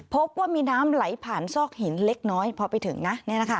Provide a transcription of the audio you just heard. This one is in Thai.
พบว่ามีน้ำไหลผ่านซอกหินเล็กน้อยพอไปถึงนะ